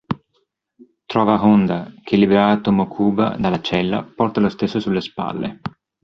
Trova Honda, che, liberato Mokuba dalla cella, porta lo stesso sulle spalle.